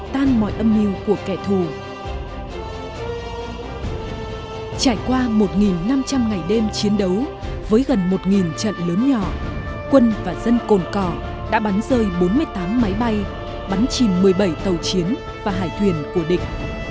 trải qua một năm trăm linh ngày đêm chiến đấu với gần một trận lớn nhỏ quân và dân cồn cỏ đã bắn rơi bốn mươi tám máy bay bắn chìm một mươi bảy tàu chiến và hải thuyền của địch